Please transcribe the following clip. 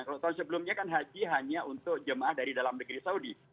kalau tahun sebelumnya kan haji hanya untuk jemaah dari dalam negeri saudi